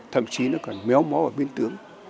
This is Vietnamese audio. thậm chí nó còn méo mó ở bên tướng